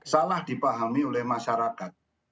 salah dipahami oleh masyarakat